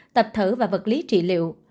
tập thở và vật lý trị liệu